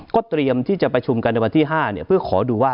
ก็เตรียมที่จะประชุมกันในวันที่๕เพื่อขอดูว่า